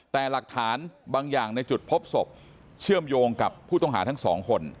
แต่หลักฐานบางอย่างในจุดพบศพเชื่อมโยงกับผู้ต้องหาทั้งสองคน